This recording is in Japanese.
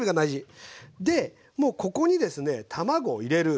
でもうここにですね卵を入れる。